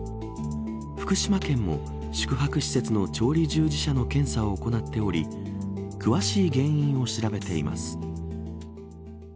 福島県も宿泊施設の調理従事者の検査を行っており詳しい原因を調べています。